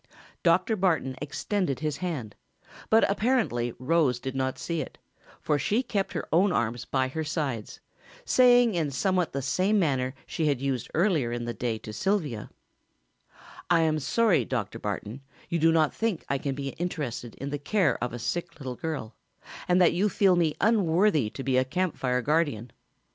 Dr. Barton extended his hand, but apparently Rose did not see it, for she kept her own arms by her sides, saying in somewhat the same manner she had used earlier in the day to Sylvia: "I am sorry, Dr. Barton, you do not think I can be interested in the care of a sick little girl, and that you feel me unworthy to be a Camp Fire guardian.